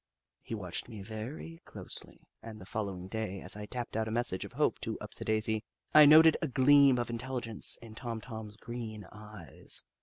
He watched me very closely, and the following day, as I tapped out a message of hope to Upsidaisi, I noted a gleam of intel ligence in Tom Tom's green eyes.